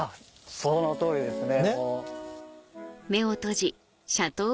その通りですね。